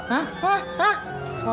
hah hah hah